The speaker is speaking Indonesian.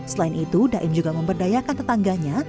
selain itu daim juga memberdayakan tetangganya